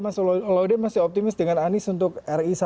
mas laude masih optimis dengan anies untuk ri satu